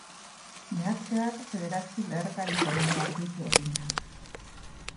Meatzeak bederatzi leherkari tona behar ditu egunean.